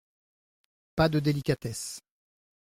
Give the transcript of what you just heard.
Pas de délicatesse.